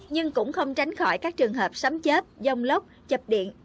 nhưng cũng không tránh khỏi các trường hợp sắm chếp dông lốc chập điện